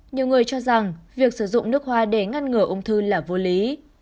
nhiều người cho rằng việc sử dụng nước hoa để ngăn ngừa ung thư là vô lý